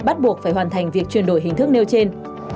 bắt buộc phải hoàn thành việc chuyển đổi hình thức nêu trên